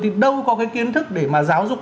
thì đâu có cái kiến thức để mà giáo dục